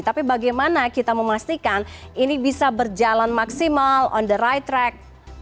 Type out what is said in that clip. tapi bagaimana kita memastikan ini bisa berjalan maksimal on the right track